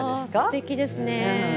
すてきですね。